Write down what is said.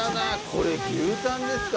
これ牛タンですか？